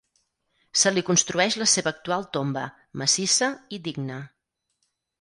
Se li construeix la seva actual tomba, massissa i digne.